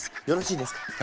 よろしいですか？